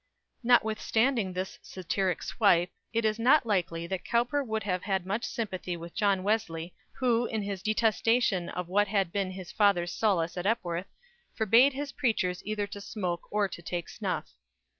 _ Notwithstanding this "satiric wipe," it is not likely that Cowper would have had much sympathy with John Wesley, who, in his detestation of what had been his father's solace at Epworth, forbade his preachers either to smoke or to take snuff.